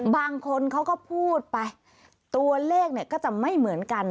บางคนเขาก็พูดไปตัวเลขเนี่ยก็จะไม่เหมือนกัน